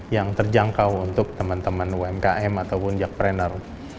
yang terjangkau untuk teman teman umkm atau jackpreneur